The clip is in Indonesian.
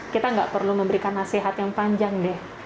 kita gak perlu memberikan nasihat yang panjang deh